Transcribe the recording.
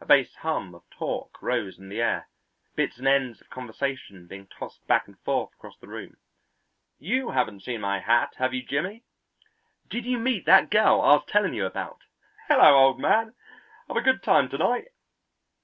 A base hum of talk rose in the air, bits and ends of conversation being tossed back and forth across the room. "You haven't seen my hat, have you, Jimmy?" "Did you meet that girl I was telling you about?" "Hello, old man! have a good time to night?"